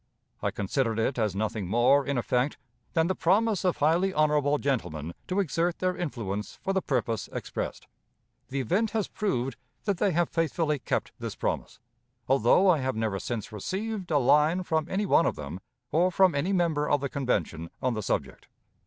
I considered it as nothing more, in effect, than the promise of highly honorable gentlemen to exert their influence for the purpose expressed. The event has proved that they have faithfully kept this promise, although I have never since received a line from any one of them, or from any member of the Convention on the subject.